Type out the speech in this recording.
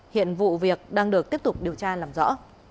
hiện vụ việc đang được tiếp tục điều tra làm rõ